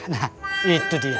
nah itu dia